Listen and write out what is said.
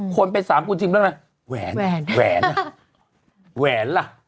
คนเป็น๓คุณทิมแล้วนะแหวนแหวนล่ะ